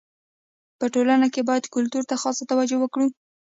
په ټولنه کي باید کلتور ته خاصه توجو وکړي.